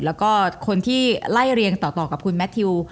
แล้วก็คนที่ไล่เรียงต่อกับคุณแมททิว